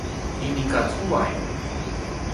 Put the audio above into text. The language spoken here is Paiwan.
inika cuway